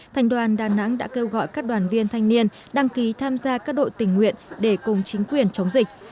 thành đoàn đà nẵng đã kêu gọi các đoàn viên thanh niên đăng ký tham gia các đội tình nguyện để cùng chính quyền chống dịch